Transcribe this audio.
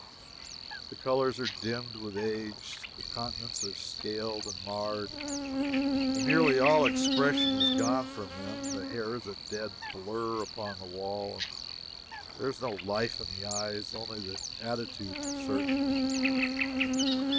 The colors are dimmed with age; the countenances are scaled and marred, and nearly all expression is gone from them; the hair is a dead blur upon the wall, and there is no life in the eyes. Only the attitudes are certain.